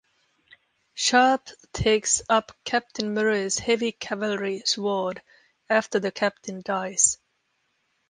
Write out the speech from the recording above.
Sharpe takes up Captain Murray's heavy cavalry sword after the Captain dies.